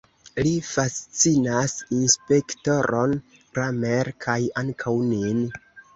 Li fascinas inspektoron Kramer, kaj ankaŭ nin.